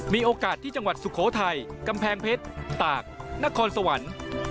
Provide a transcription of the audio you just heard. มีโอกาสที่จังหวัดสุโขทัยกำแพงเพชรตากนครสวรรค์